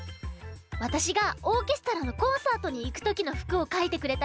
わたしがオーケストラのコンサートにいくときのふくをかいてくれたよ。